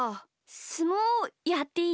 すもうやっていい？